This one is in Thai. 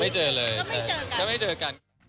ไม่เจอเลยถ้าไม่เจอกัน